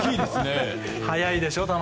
速いでしょ、球。